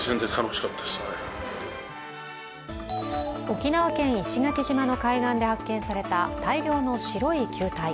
沖縄県石垣島の海岸で発見された大量の白い球体。